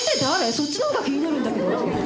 そっちのほうが気になるんだけど。